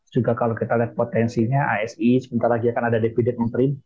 juga kalau kita lihat potensinya asi sebentar lagi akan ada dividen interim